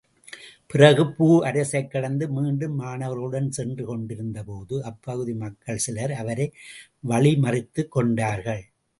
பிறகு பூ அரசைக் கடந்து மீண்டும் மாணவர்களுடன் சென்று கொண்டிருந்தபோது, அப்பகுதி மக்களில் சிலர் அவரை வழிமறித்துக் கொண்டார்கள்.